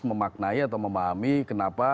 memaknai atau memahami kenapa